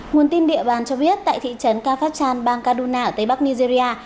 nguồn tin địa bàn cho biết tại thị trấn kafachan bang kaduna ở tây bắc nigeria